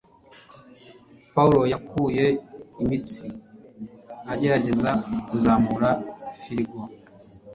Pawulo yakuye imitsi agerageza kuzamura firigo